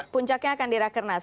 puncaknya akan di rakernas